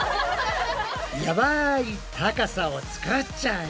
やばい高さを作っちゃえ！